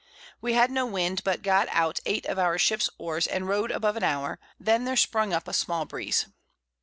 We had no Wind, but got out 8 of our Ships Oars, and rowed above an Hour; then there sprung up a small Breeze.